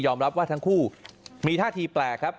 รับว่าทั้งคู่มีท่าทีแปลกครับ